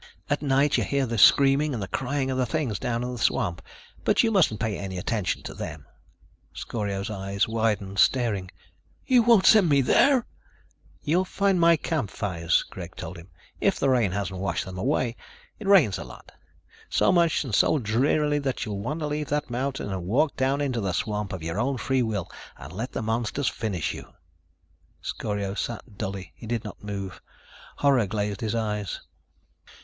At night you hear the screaming and the crying of the things down in swamp, but you mustn't pay any attention to them." Scorio's eyes widened, staring. "You won't send me there!" "You'll find my campfires," Greg told him, "if the rain hasn't washed them away. It rains a lot. So much and so drearily that you'll want to leave that mountain and walk down into the swamp, of your own free will, and let the monsters finish you." Scorio sat dully. He did not move. Horror glazed his eyes.